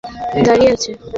ঠিক আমার পিছনেই দাঁড়িয়ে আছে।